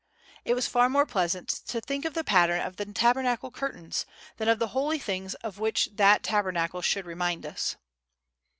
It was far more pleasant to think of the pattern of the Tabernacle curtains than of the holy things of which that Tabernacle should remind us.